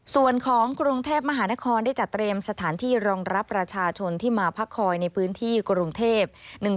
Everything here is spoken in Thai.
ส่วนของกรุงเทพมหานครได้จัดเตรียมสถานที่รองรับประชาชนที่มาพักคอยในพื้นที่กรุงเทพ